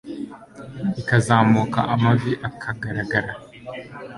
ikazamuka amavi aka garagara